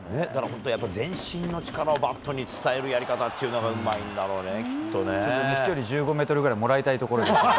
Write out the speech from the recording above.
本当やっぱり全身の力をバットに伝えるやり方というのがうまちょっと飛距離１５メートルぐらいもらいたいところですけどね。